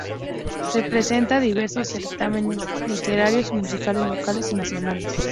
Se presenta a diversos certámenes literarios y musicales locales y nacionales.